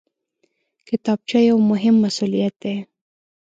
کتابچه یو مهم مسؤلیت دی